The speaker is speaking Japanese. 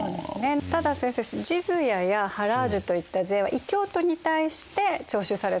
ただ先生ジズヤやハラージュといった税は異教徒に対して徴収されたわけですよね。